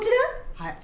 はい。